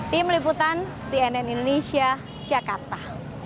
tim liputan cnn indonesia jakarta